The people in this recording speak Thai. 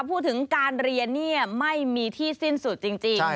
พูดถึงการเรียนไม่มีที่สิ้นสุดจริง